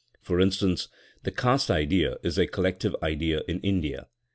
For instance, the caste idea is a collective idea in India.